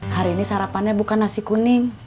hari ini sarapannya bukan nasi kuning